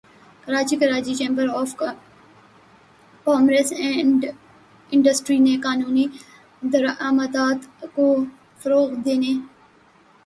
Karachi Karachi chamber of commerce and industry نے قانونی درآمدات کو فروغ دینے